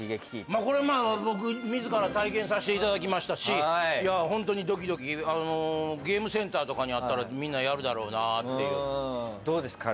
まあこれまあ僕自ら体験させていただきましたしいやホントにドキドキあのゲームセンターとかにあったらみんなやるだろうなっていうどうですか？